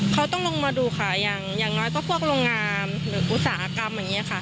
เขาต้องลงมาดูค่ะอย่างน้อยก็พวกโรงงานหรืออุตสาหกรรมอย่างนี้ค่ะ